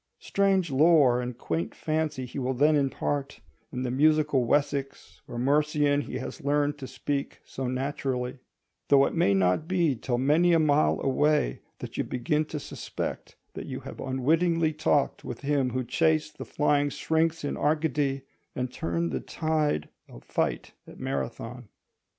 Strange lore and quaint fancy he will then impart, in the musical Wessex or Mercian he has learned to speak so naturally; though it may not be till many a mile away that you begin to suspect that you have unwittingly talked with him who chased the flying Syrinx in Arcady and turned the tide of fight at Marathon.